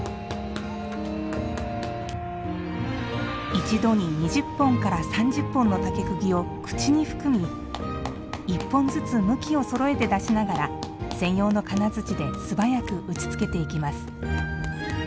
一度に、２０本から３０本の竹くぎを口に含み、１本ずつ向きをそろえて出しながら専用の金づちで素早く打ちつけていきます。